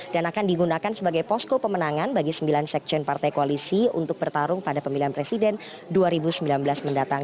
dan akan digunakan sebagai posko pemenangan bagi sembilan sekjen partai koalisi untuk bertarung pada pemilihan presiden dua ribu sembilan belas mendatang